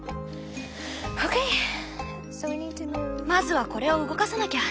まずはこれを動かさなきゃ。